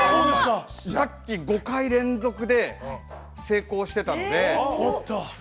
さっき５回連続で成功していたので。